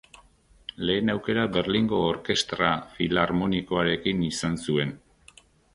Lehen aukera Berlingo Orkestra Filarmonikoarekin izan zuen.